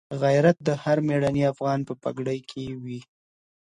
غیرت د هر مېړني افغان په پګړۍ کي وي.